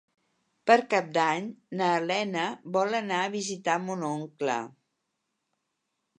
Per Cap d'Any na Lena vol anar a visitar mon oncle.